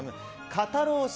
肩ロース